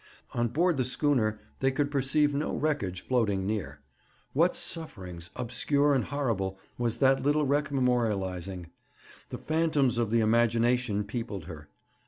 On board the schooner they could perceive no wreckage floating near. What sufferings, obscure and horrible, was that little wreck memorializing? The phantoms of the imagination peopled her.